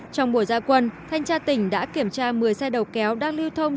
trong buổi gia quân thanh tra tỉnh đã kiểm tra một mươi xe đầu kéo đang lưu thông